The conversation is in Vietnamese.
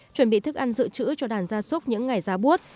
chuẩn bị thức ăn dự trữ cho đàn gia súc những ngày ra buốt